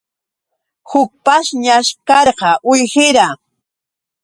Huk pashñash karqa uwihira.